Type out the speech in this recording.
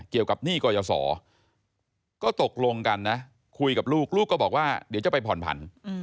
หนี้กรยาศรก็ตกลงกันนะคุยกับลูกลูกก็บอกว่าเดี๋ยวจะไปผ่อนผัน